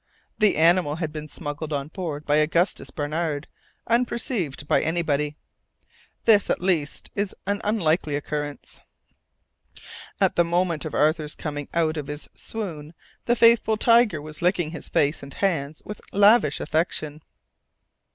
The animal had been smuggled on board by Augustus Barnard unperceived by anybody (this, at least, is an unlikely occurrence). At the moment of Arthur's coming out of his swoon the faithful Tiger was licking his face and hands with lavish affection.